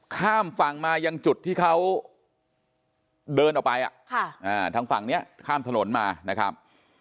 ข้ามฝั่งมายังจุดที่เขาเดินออกไปทางฝั่งนี้ข้ามถนนมานะครับ